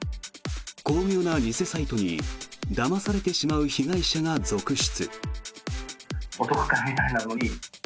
巧妙な偽サイトにだまされてしまう被害者が続出。